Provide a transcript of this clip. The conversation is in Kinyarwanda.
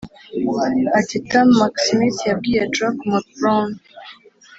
ati tam mcsmith yabwiye jock mcbrown,